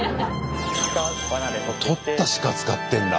とった鹿使ってんだ。